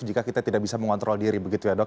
jika kita tidak bisa mengontrol diri begitu ya dok